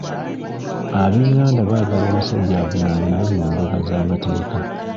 Ab'enganda baagala omusajja avunaanibwe mu mbuga z'amateeka.